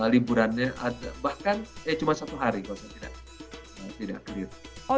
liburannya bahkan cuma satu hari kalau saya tidak keliru